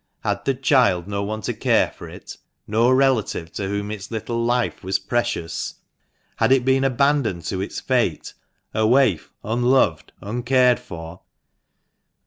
Had the child no one to care for it ?— no relative to whom its little life was precious ? Had it been abandoned to its fate, a waif unloved, uncared for